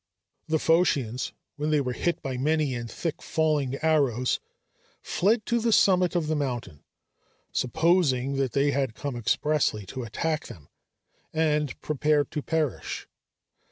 The Phocians, when they were hit by many and thick falling arrows, fled to the summit of the mountain, supposing that they had come expressly to attack them, and prepared to perish.